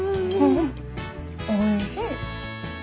おいしい。